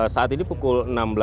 saat ini pukul enam belas lima belas